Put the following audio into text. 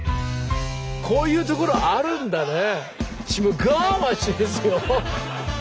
こういうところあるんだね。